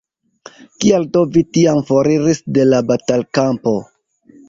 Kial do vi tiam foriris de la batalkampo?